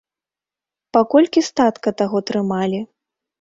Па колькі статка таго трымалі?